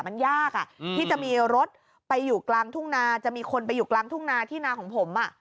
มันยากที่จะมีรถไปอยู่กลางทุ่งนาจะมีคนไปอยู่กลางทุ่งนาที่นาของผม